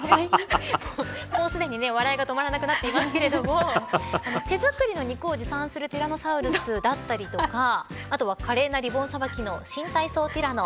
もうすでに、笑いが止まらなくなっていますけれども手作りの肉を持参するティラノサウルスだったりとかあとは華麗なリボンさばきの新体操ティラノ